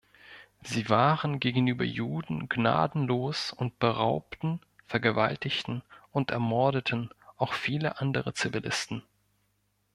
Sie waren gegenüber Juden gnadenlos und beraubten, vergewaltigten und ermordeten auch viele andere Zivilisten.